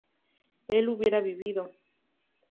él hubiera vivido